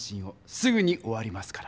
すぐに終わりますから。